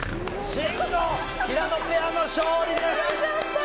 信五・平野ペアの勝利です！